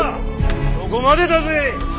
そこまでだぜ！